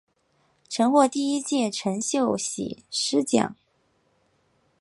曾获第一届陈秀喜诗奖。